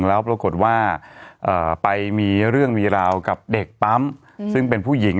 แล้วปรากฏว่าไปมีเรื่องมีราวกับเด็กปั๊มซึ่งเป็นผู้หญิง